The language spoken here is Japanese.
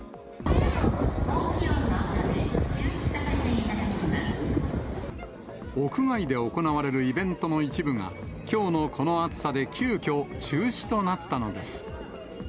高気温のため中止させていた屋外で行われるイベントの一部が、きょうのこの暑さで急きょ中止となったのです。